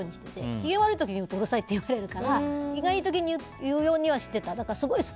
機嫌悪いとうるさい！って言われるからいない時に言うようにしてた。